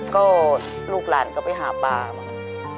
ก็ลูกหลานก็ไปหาปลามา